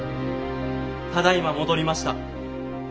・ただいま戻りました。